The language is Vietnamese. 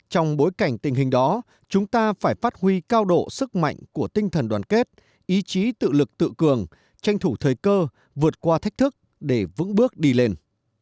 trong bối cảnh tình hình đó chúng ta phải phát huy cao độ sức mạnh của tinh thần đoàn kết ý chí tự lực tự cường tranh thủ thời cơ vượt qua thách thức để vững bước đi lên